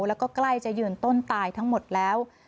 แล้วก็ใกล้จะยืนต้นตายทั้งหมดแล้ว